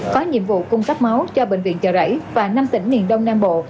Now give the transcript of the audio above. có nhiệm vụ cung cấp máu cho bệnh viện chợ rẫy và năm tỉnh miền đông nam bộ